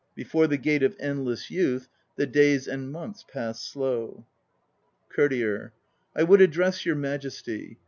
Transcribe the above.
Before the Gate of Endless Youth 2 The days and months pass slow." 3 COURTIER. I would address your Majesty.